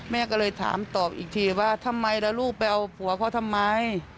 แม่ก็เลยถามตอบอีกทีว่าทำไมล่ะลูกไปเอาผัวเขาทำไม